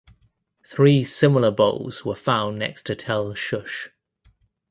Three similar bowls were found next to Tel Shush.